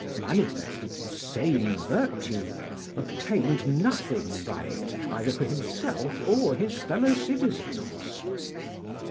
] manifested the same virtue, obtained nothing by it, either for himself or his fellow citizens.